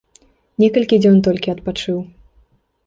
Некалькі дзён толькі адпачыў.